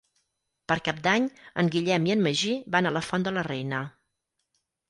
Per Cap d'Any en Guillem i en Magí van a la Font de la Reina.